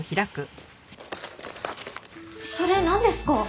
それなんですか？